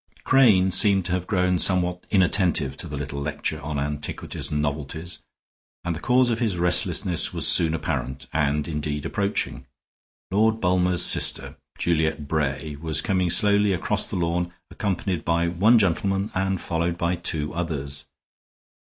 Crane seemed to have grown somewhat inattentive to the little lecture on antiquities and novelties, and the cause of his restlessness was soon apparent, and indeed approaching. Lord Bulmer's sister, Juliet Bray, was coming slowly across the lawn, accompanied by one gentleman and followed by two others.